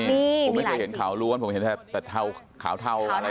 ผมไม่เคยเห็นขาวล้วนผมเห็นแค่ขาวเทาอะไรอย่างนี้